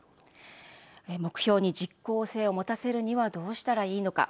目標に実効性を持たせるにはどうしたらいいのか。